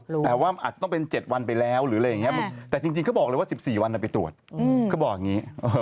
แต่ว่ามันอาจจะต้องเป็น๗วันไปแล้วหรืออะไรอย่างนี้แต่จริงเขาบอกเลยว่า๑๔วันไปตรวจเขาบอกอย่างนี้